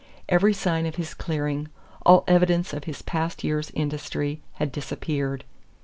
Every sign of his clearing, all evidence of his past year's industry, had disappeared.